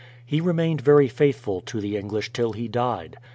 He remained very faithful to the English till he died.